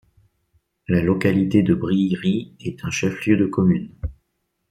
La localité de Brihiri est un chef-lieu de commune.